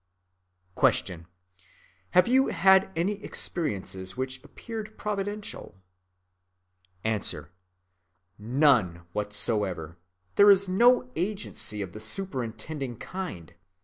Q. Have you had any experiences which appeared providential? A. None whatever. There is no agency of the superintending kind.